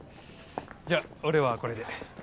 じゃあ俺はこれで。